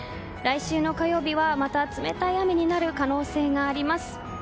来週の火曜日はまた冷たい雨になる可能性があります。